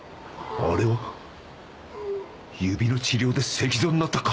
あれは指の治療で石像になった神？